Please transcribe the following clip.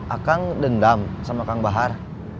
akang dendam sama kang bahar